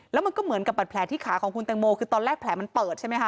แล้วมันก็เหมือนกับบัตรแผลที่ขาของคุณแตงโมคือตอนแรกแผลมันเปิดใช่ไหมคะ